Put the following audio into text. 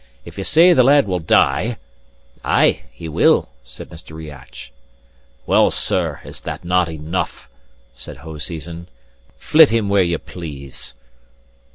If ye say the lad will die " "Ay, will he!" said Mr. Riach. "Well, sir, is not that enough?" said Hoseason. "Flit him where ye please!"